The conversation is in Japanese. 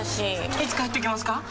いつ帰ってきますか？